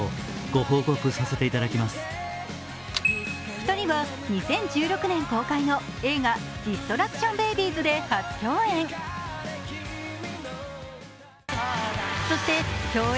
２人は２０１６年公開の映画「ディストラクション・ベイビーズ」で初共演。